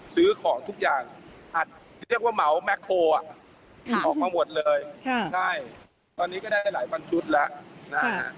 ซื้อของทุกอย่างอัดเรียกว่าเหมาแม็กโคออกมาหมดเลยใช่ตอนนี้ก็ได้หลายพันชุดแล้วนะฮะ